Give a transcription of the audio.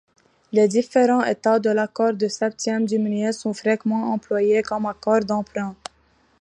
Les différents états de l'accord de septième diminuée sont fréquemment employés comme accords d'emprunt.